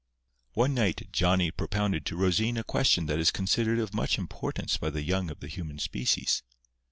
One night Johnny propounded to Rosine a question that is considered of much importance by the young of the human species.